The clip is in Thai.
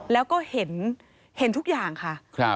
แล้วก็เห็นทุกอย่างค่ะ